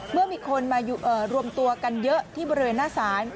เมื่อมีคนมารวมตัวกันเยอะที่บริเวณหน้าศาล